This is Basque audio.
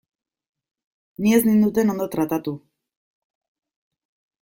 Ni ez ninduten ondo tratatu.